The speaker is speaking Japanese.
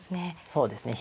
そうですね。